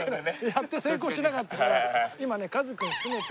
やって成功しなかったから。